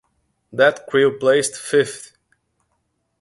That crew placed fifth.